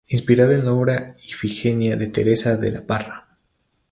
Inspirada en la obra Ifigenia de Teresa de la Parra.